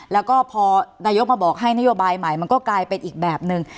แล้วก็พอนายกมาบอกให้นโยบายใหม่มันก็กลายเป็นอีกแบบหนึ่ง